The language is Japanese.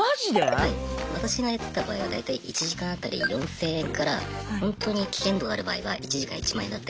私がやってた場合は大体１時間当たり４千円からホントに危険度がある場合は１時間１万円だったりします。